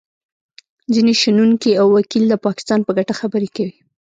ځینې شنونکي او وکیل د پاکستان په ګټه خبرې کوي